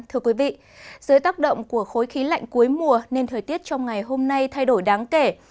thưa quý vị dưới tác động của khối khí lạnh cuối mùa nên thời tiết trong ngày hôm nay thay đổi đáng kể